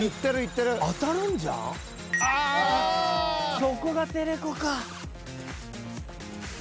そこがテレコか。